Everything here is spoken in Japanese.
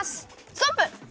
ストップ！